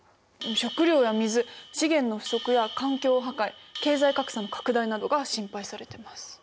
食料や水資源の不足や環境破壊経済格差の拡大などが心配されてます。